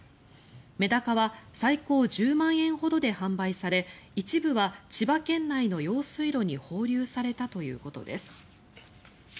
メダカは最高１０万円ほどで販売され一部は千葉県内の用水路に放流されたということです。